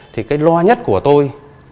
thì cái lo nhất của tôi